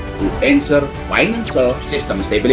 untuk menjawab stabilitas sistem finansial